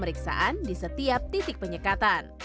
pemeriksaan di setiap titik penyekatan